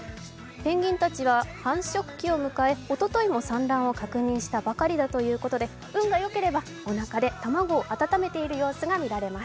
ペンギンたちは繁殖期を迎え、おとといも産卵を確認したばかりだということで運が良ければおなかで卵を温めている様子が見られます。